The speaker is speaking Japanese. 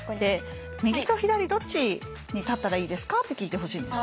「右と左どっちに立ったらいいですか？」って聞いてほしいんです。